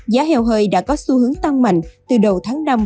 giá heo hơi đã có xu hướng tăng mạnh từ đầu tháng năm